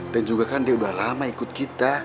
dan juga kan dia udah lama ikut kita